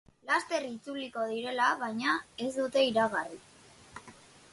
Laster itzuliko direla baina ez dute iragarri.